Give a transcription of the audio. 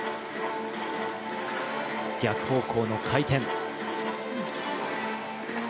逆方向の回転。